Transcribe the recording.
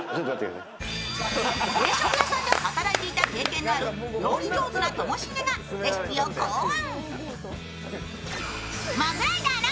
定食屋さんで働いていた経験のある料理上手なともしげがレシピを考案。